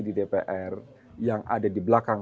di dpr yang ada di belakang